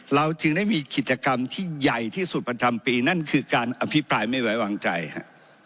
เราจึงได้มีกิจกรรมที่ใหญ่ที่สุดประจำปีนั่นคือการอภิปรายไม่ไว้วางใจฮะ